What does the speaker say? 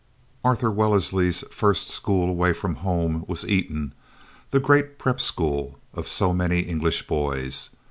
Arthur Wellesley's first school away from home was Eton, that great "prep" school of so many English boys.